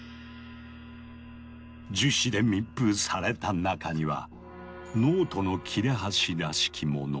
樹脂で密封された中にはノートの切れ端らしきもの。